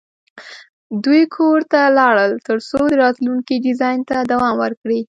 دوی کور ته لاړل ترڅو د راتلونکي ډیزاین ته دوام ورکړي